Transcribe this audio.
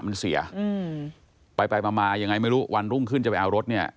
มันเสียอืมไปไปมามายังไงไม่รู้วันรุ่งขึ้นจะไปเอารถเนี่ย